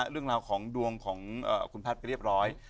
เรื่องราวของดวงของคุณแพทย์ไปเรียบร้อย